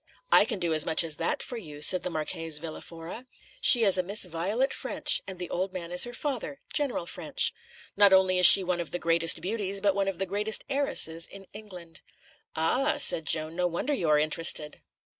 "I can do as much as that for you," said the Marchese Villa Fora. "She is a Miss Violet Ffrench, and the old man is her father, General Ffrench. Not only is she one of the greatest beauties, but one of the greatest heiresses in England." "Ah!" said Joan, "no wonder you are interested."